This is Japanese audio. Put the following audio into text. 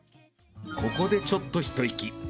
ここでちょっと一息。